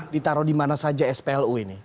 ditaruh dimana saja spbu ini